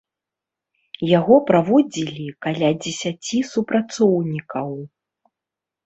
Яго праводзілі каля дзесяці супрацоўнікаў.